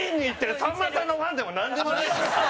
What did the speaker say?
さんまさんのファンでもなんでもないです。